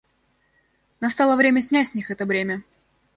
Настало время снять с них это бремя.